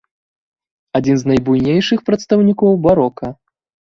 Адзін з найбуйнейшых прадстаўнікоў барока.